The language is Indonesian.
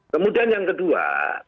kemudian yang kedua